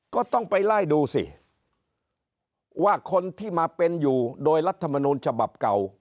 ก็ต้องไปไล่ดูสิว่าคนที่มาเป็นอยู่โดยรัฐมนูลฉบับเก่า